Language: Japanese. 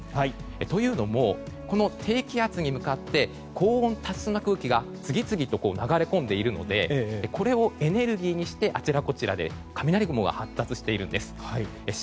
というのも、この低気圧に向かって、高温多湿の空気が次々と流れ込んでいるのでこれをエネルギーにしてあちらこちらで雷雲が発達してるんです。